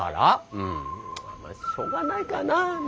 うん。まあしょうがないかな。ね。